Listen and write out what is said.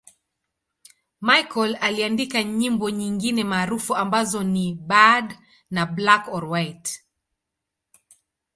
Michael aliandika nyimbo nyingine maarufu ambazo ni 'Bad' na 'Black or White'.